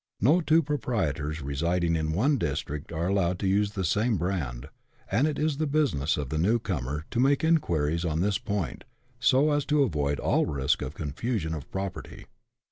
No two proprietors residing in one district are allowed to use the same brand, and it is the business of the new comer to make inquiries on this point, so as to avoid all risk of confusion of property.